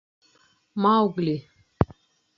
— Маугли!